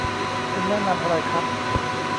คุณแนะนำอะไรครับ